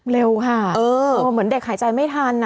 เร็วค่ะเหมือนเด็กหายใจไม่ทัน